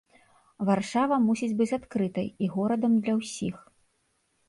Варшава мусіць быць адкрытай, і горадам для ўсіх.